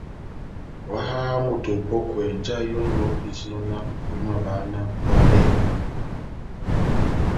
Óháháha moto opɔ́kwɛ njahɛ yɔngɔ éjinɔ náh ohimavaha náh ohábɛhe.